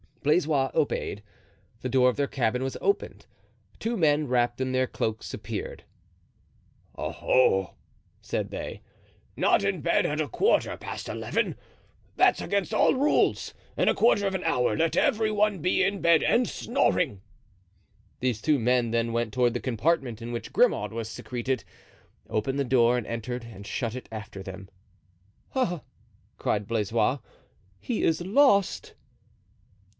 Blaisois obeyed. The door of their cabin was opened. Two men, wrapped in their cloaks, appeared. "Oho!" said they, "not in bed at a quarter past eleven. That's against all rules. In a quarter of an hour let every one be in bed and snoring." These two men then went toward the compartment in which Grimaud was secreted; opened the door, entered and shut it after them. "Ah!" cried Blaisois, "he is lost!"